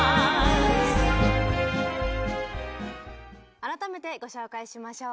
改めてご紹介しましょう。